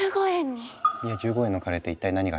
いや１５円のカレーって一体何が入ってるのかな？